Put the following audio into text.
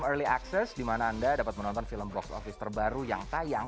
early access di mana anda dapat menonton film box office terbaru yang tayang